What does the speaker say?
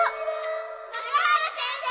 中原先生！